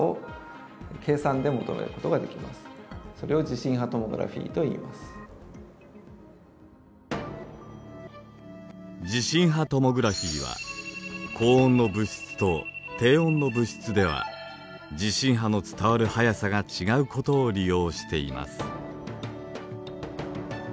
地震波トモグラフィーは高温の物質と低温の物質では地震波の伝わる速さが違うことを利用しています。